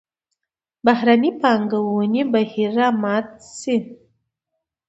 بهرنۍ پانګونې بهیر را مات شي.